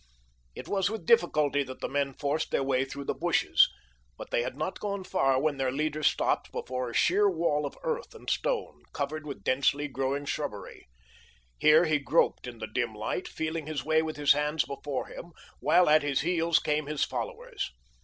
It was with difficulty that the men forced their way through the bushes, but they had not gone far when their leader stopped before a sheer wall of earth and stone, covered with densely growing shrubbery. Here he groped in the dim light, feeling his way with his hands before him, while at his heels came his followers.